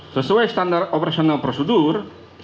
sesuai standar operasional prosedur